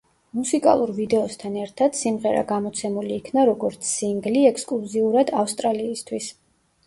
მუსიკალურ ვიდეოსთან ერთად, სიმღერა გამოცემული იქნა როგორც სინგლი ექსკლუზიურად ავსტრალიისთვის.